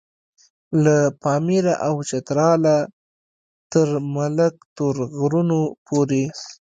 له پاميره او چتراله تر ملک تور غرونو پورې.